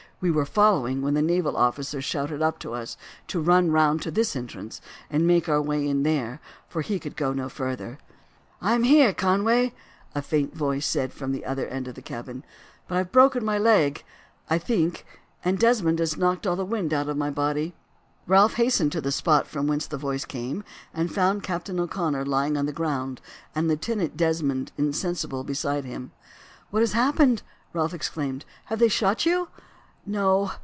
We were following when the naval officer shouted up to us to run round to this entrance and make our way in there, for he could go no further." "I am here, Conway," a faint voice said from the other end of the cabin; "but I have broken my leg, I think, and Desmond has knocked all the wind out of my body." Ralph hastened to the spot from whence the voice came, and found Captain O'Connor lying on the ground, and Lieutenant Desmond insensible beside him. "What has happened?" Ralph exclaimed. "Have they shot you?" "No.